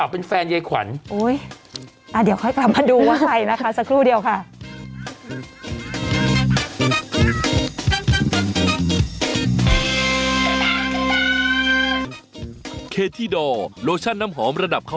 ที่ไว้พระอะไรที่ไว้พวงมาลัย